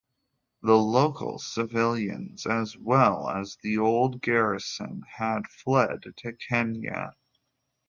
The local civilians as well as the old garrison had fled to Kenya.